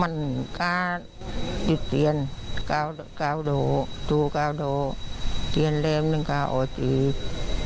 มันก็จุดเตียนเก่าโดทูเก่าโดเตียนเร็มนึงก็ออกจีบ